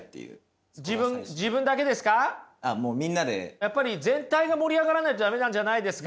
やっぱり全体が盛り上がらないと駄目なんじゃないですか？